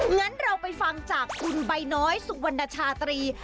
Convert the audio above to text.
งั้นเราไปฟังจากคุณใบน้อยสุวรรณชาตรี